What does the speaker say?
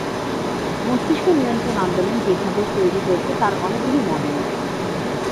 মস্তিষ্ক নিয়ন্ত্রণ আন্দোলন যেভাবে তৈরি হয়েছে তার অনেকগুলি মডেল।